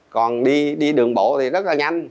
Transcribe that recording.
còn đi đường bộ thì rất là nhanh